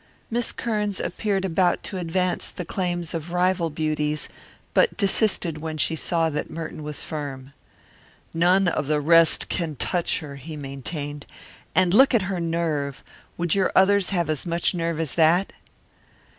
Miss Kearns appeared about to advance the claims of rival beauties, but desisted when she saw that Merton was firm. "None of the rest can touch her," he maintained. "And look at her nerve! Would your others have as much nerve as that?"